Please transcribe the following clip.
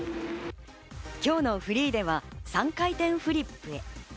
今日のフリーでは３回転フリップへ。